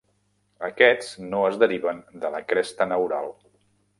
Aquests no es deriven de la cresta neural.